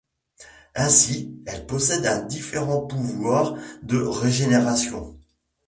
Ainsi, elles possèdent un différent pouvoir de régénération.